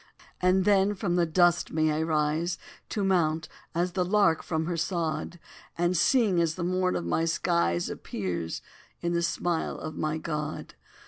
And then, from the dust may I rise, To mount, as the lark from her sod; And sing, as the morn of my skies Appears in the smile of my God.